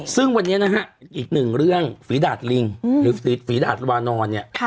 ซึ่งวันนี้นะฮะอีกหนึ่งเรื่องฝีดาดลิงหรือฝีดาดวานอนเนี่ย